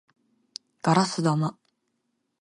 ガラス玉